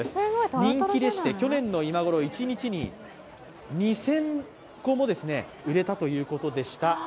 人気でして、去年の今ごろ一日に２０００個も売れたということです。